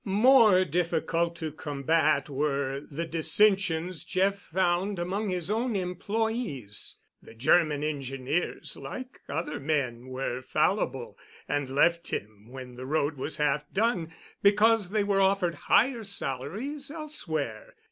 More difficult to combat were the dissensions Jeff found among his own employes. The German engineers, like other men, were fallible, and left him when the road was half done because they were offered higher salaries elsewhere.